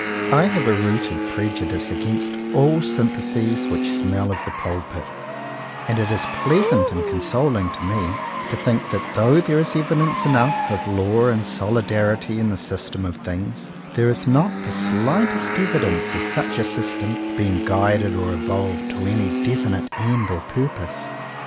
I have a rooted prejudice against all syntheses which smell of the pulpit, and it is pleasant and consoling to me to think that though there is evidence enough of law and solidarity in the system of things, there is not the slightest evidence of such a system being guided or evolved to any def 48 JOHN COWPER POWYS inite end or purpose.